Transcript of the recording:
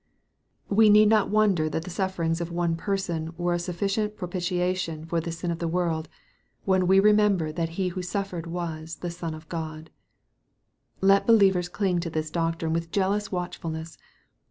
We need not wonder that the Bufferings of one person were a sufficient propitiation for the sin of a world, when we remember that He who suffered was the " Son of God/' Let believers cling to this doctrine with jealous watch fulness.